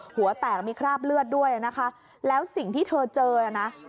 หัวแตกมีคราบเลือดด้วยนะคะแล้วสิ่งที่เธอเจออ่ะนะ